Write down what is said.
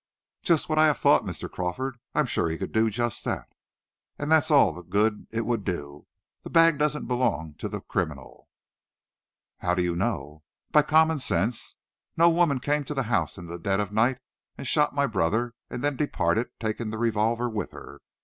"Just what I have thought, Mr. Crawford. I'm sure he could do just that." "And that's all the good it would do! That bag doesn't belong to the criminal." "How do you know?" "By common sense. No woman came to the house in the dead of night and shot my brother, and then departed, taking her revolver with her.